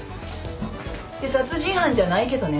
って殺人犯じゃないけどね。